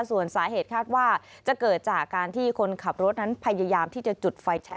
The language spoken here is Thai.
ส่วนสาเหตุคาดว่าจะเกิดจากการที่คนขับรถนั้นพยายามที่จะจุดไฟแช